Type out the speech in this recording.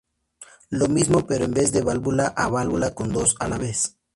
Lo mismo pero en vez de válvula a válvula con dos a la vez.